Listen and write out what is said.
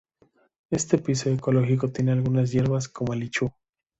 Este piso ecológico tiene algunas hierbas como el ichu.